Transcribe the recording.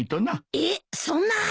えっそんな早く？